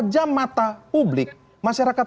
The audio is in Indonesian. jam mata publik masyarakat